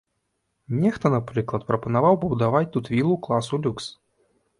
Нехта, напрыклад, прапанаваў пабудаваць тут вілу класу люкс.